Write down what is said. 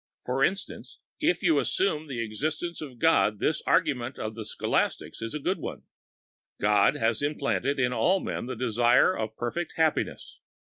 For instance, if you assumed the existence of God this argument of the scholastics is a good one. God has implanted in all men the desire of perfect happiness.